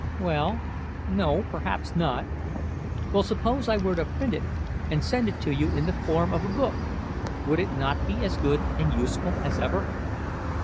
"Well no, perhaps not." "Well, suppose I were to print it and send it to you in the form of a book, would it not be as good and useful as ever?"